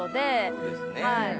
そうですね。